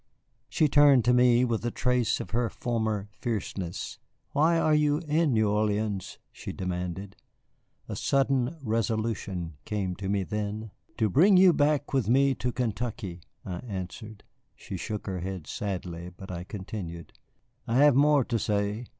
She turned to me with a trace of her former fierceness. "Why are you in New Orleans?" she demanded. A sudden resolution came to me then. "To bring you back with me to Kentucky," I answered. She shook her head sadly, but I continued: "I have more to say.